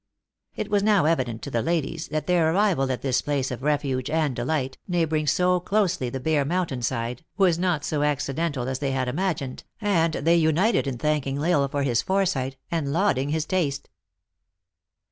It was now evident to the ladies that their arrival at this place of refuge and delight, neigh boring so closely the bare mountain side, was not so accidental as they had imagined, and they united in thanking L Isle for his foresight, and lauding his taste.